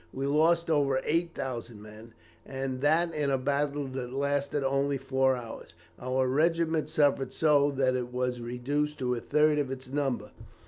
We lost over 8000 men, and that in a battle that lasted only four hours. Our regiment suffered so that it was reduced to a third of its number.